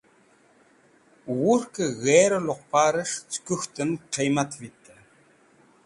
Wurkẽ g̃herẽ luqparẽs̃h cẽ kũk̃htẽn qiymat vitẽ.